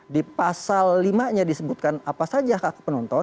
di pasal lima nya disebutkan apa saja hak hak penonton